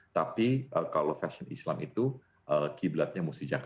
tapi kalau fashion islam itu kiblatnya musik jakarta